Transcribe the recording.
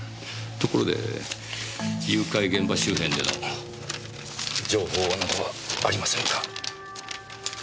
ところで誘拐現場周辺での情報などはありませんか？